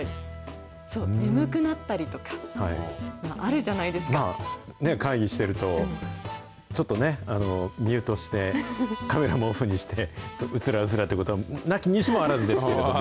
眠くなったりとか、あるじゃ会議してると、ちょっとね、ミュートして、カメラもオフにして、うつらうつらということは、なきにしもあらずですけれども。